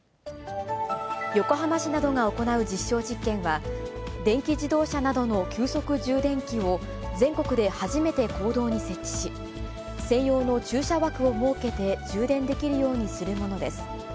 横浜市などが行う実証実験は、電気自動車などの急速充電器を、全国で初めて公道に設置し、専用の駐車枠を設けて充電できるようにするものです。